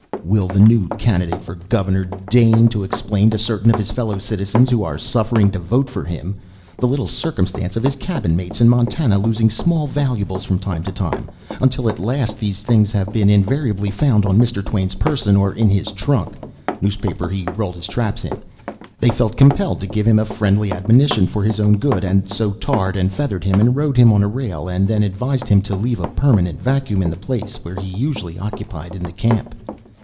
Will the new candidate for Governor deign to explain to certain of his fellow citizens (who are suffering to vote for him!) the little circumstance of his cabin mates in Montana losing small valuables from time to time, until at last, these things having been invariably found on Mr. Twain's person or in his "trunk" (newspaper he rolled his traps in), they felt compelled to give him a friendly admonition for his own good, and so tarred and feathered him, and rode him on a rail; and then advised him to leave a permanent vacuum in the place he usually occupied in the camp.